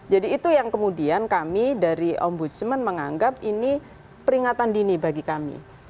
itu yang kemudian kami dari ombudsman menganggap ini peringatan dini bagi kami